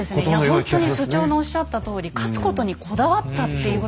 いや本当に所長のおっしゃったとおり勝つことにこだわったっていうことに徹底してたんですね